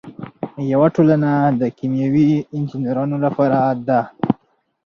یوه ټولنه د کیمیاوي انجینرانو لپاره ده.